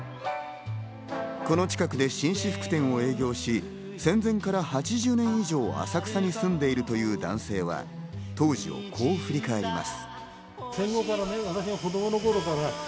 この近くで紳士服店を営業し戦前から８０年以上、浅草に住んでいるという男性は当時をこう振り返ります。